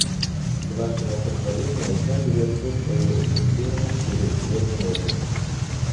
С Вашего позволения, я завершу свое выступление через две минуты.